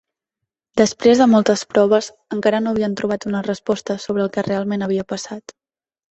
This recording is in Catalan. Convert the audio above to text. Després de moltes proves encara no havien trobat una resposta sobre el que realment havia passat.